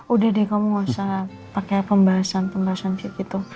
udah deh kamu gak usah pake pembahasan pembahasan segitu